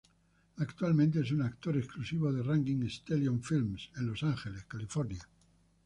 Actualmente es un actor exclusivo de Raging Stallion Films en Los Angeles, California.